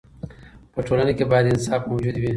په ټولنه کې باید انصاف موجود وي.